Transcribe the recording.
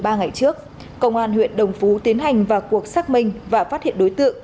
ba ngày trước công an huyện đồng phú tiến hành vào cuộc xác minh và phát hiện đối tượng